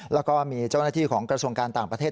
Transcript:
แล้วก็มีเจ้าหน้าที่ของกระทรวงการต่างประเทศ